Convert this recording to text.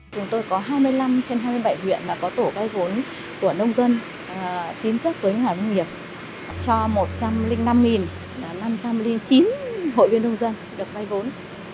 chúng tôi có hai mươi năm thêm hai mươi bảy huyện mà có tổ vay vốn của nông dân tiến chất với hải nông nghiệp cho một trăm linh năm năm trăm linh chín hội viên nông dân được vay vốn